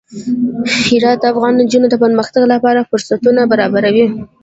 هرات د افغان نجونو د پرمختګ لپاره فرصتونه برابروي.